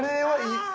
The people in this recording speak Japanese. はい。